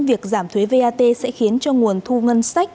việc giảm thuế vat sẽ khiến cho nguồn thu ngân sách